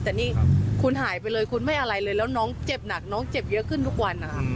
แต่นี่คุณหายไปเลยคุณไม่อะไรเลยแล้วน้องเจ็บหนักน้องเจ็บเยอะขึ้นทุกวันนะคะ